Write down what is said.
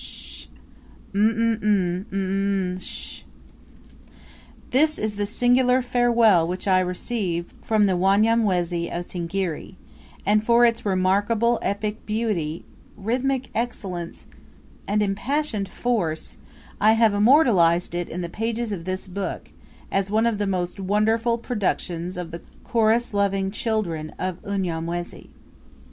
Sh sh sh Sh sh h h sh h h h h h! Um m mu um m m sh! This is the singular farewell which I received from the Wanyamwezi of Singiri, and for its remarkable epic beauty(?), rhythmic excellence(?), and impassioned force(?), I have immortalised it in the pages of this book, as one of the most wonderful productions of the chorus loving children of Unyamwezi.